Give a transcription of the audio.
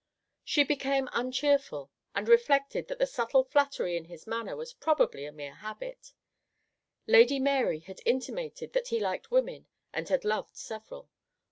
She became uncheerful, and reflected that the subtle flattery in his manner was probably a mere habit; Lady Mary had intimated that he liked women and had loved several.